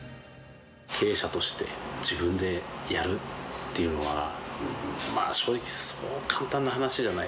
経営者として、自分でやるっていうのは、まあ正直、そんな簡単な話じゃない。